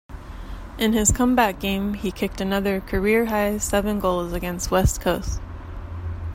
In his comeback game he kicked another career-high seven goals against West Coast.